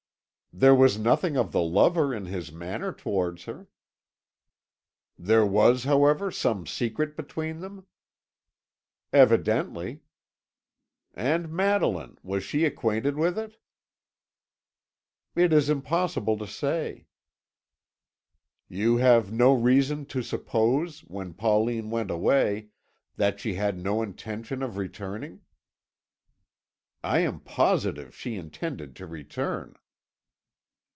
"There was nothing of the lover in his manner towards her." "There was, however, some secret between them?" "Evidently." "And Madeline was she acquainted with it?" "It is impossible to say." "You have no reason to suppose, when Pauline went away, that she had no intention of returning?" "I am positive she intended to return."